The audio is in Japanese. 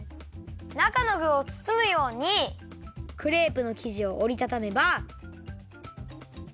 なかのぐをつつむようにクレープのきじをおりたためば。